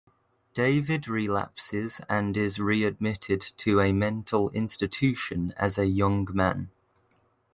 David relapses and is readmitted to a mental institution as a young man.